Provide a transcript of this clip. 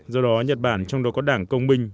do đó nhật bản trong đó có đảng công binh